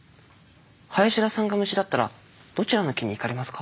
林田さんが虫だったらどちらの木に行かれますか？